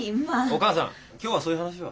お母さん今日はそういう話は。